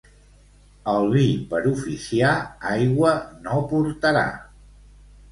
El vi per oficiar aigua no portarà.